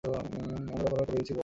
আমার যা করবার করে দিয়েছি, বস্।